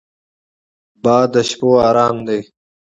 باد د شپو ارام دی